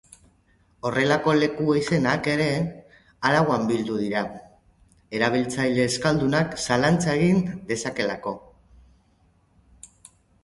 Horrelako leku-izenak ere arauan bildu dira, erabiltzaile euskaldunak zalantza egin dezakeelako.